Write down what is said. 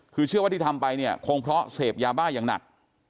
คือเชื่อว่าที่ทำไปเนี่ยคงเพราะเสพยาบ้าอย่างหนัก